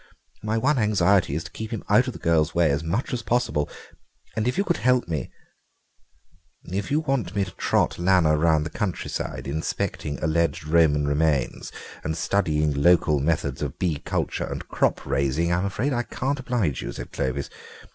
My one anxiety is to keep him out of the girl's way as much as possible, and if you could help me—" "If you want me to trot Lanner round the countryside, inspecting alleged Roman remains and studying local methods of bee culture and crop raising, I'm afraid I can't oblige you," said Clovis.